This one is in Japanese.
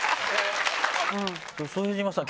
副島さん